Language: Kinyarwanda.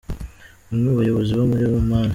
Umwe mu bayobozi bo muri Oman,.